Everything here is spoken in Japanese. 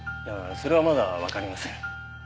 それはまだわかりません。